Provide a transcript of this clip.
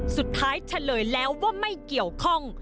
สุดท้ายเฉลยแล้วว่าไม่เกี่ยวข้อง